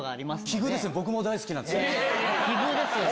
奇遇ですよね。